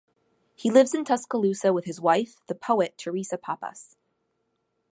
He lives in Tuscaloosa with his wife, the poet Theresa Pappas.